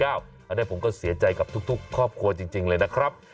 อันนี้ผมก็เสียใจกับทุกครอบครัวจริงเลยนะครับ